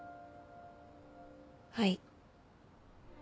はい。